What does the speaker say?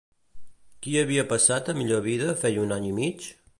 Qui havia passat a millor vida feia un any i mig?